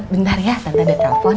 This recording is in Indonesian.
bentar ya sampai ada telepon